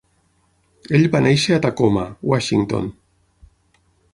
Ell va néixer a Tacoma, Washington.